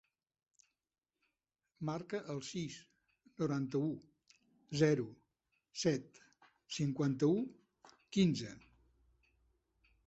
Marca el sis, noranta-u, zero, set, cinquanta-u, quinze.